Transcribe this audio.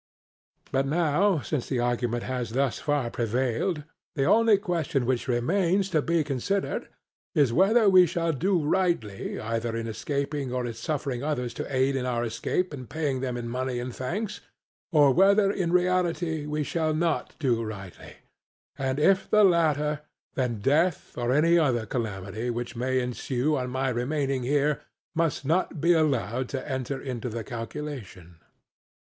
But now, since the argument has thus far prevailed, the only question which remains to be considered is, whether we shall do rightly either in escaping or in suffering others to aid in our escape and paying them in money and thanks, or whether in reality we shall not do rightly; and if the latter, then death or any other calamity which may ensue on my remaining here must not be allowed to enter into the calculation.